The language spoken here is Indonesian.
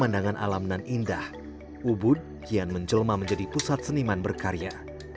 pemandangan alam dan indah ubud kian menjelma menjadi pusat seniman berkarya